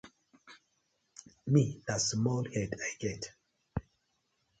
Mi na small head I get.